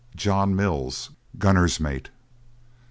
JOHN MILLS, Gunner's Mate.